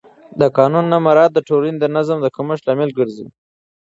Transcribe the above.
د قانون نه مراعت د ټولنې د نظم د کمښت لامل ګرځي